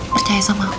percaya sama aku